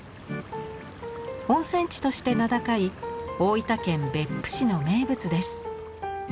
温泉地として名高い大分県別府市の名物です。